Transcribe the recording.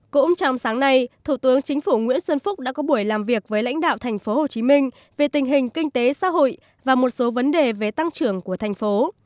cũng trong sáng nay thủ tướng chính phủ nguyễn xuân phúc đã có buổi làm việc với lãnh đạo thành phố hồ chí minh về tình hình kinh tế xã hội và một số vấn đề về tăng trưởng của thành phố